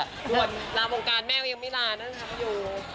หลังวงการแม่ก็ยังไม่ลานะครับเขาอยู่